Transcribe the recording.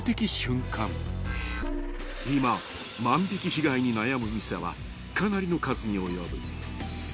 ［今万引被害に悩む店はかなりの数に及ぶ］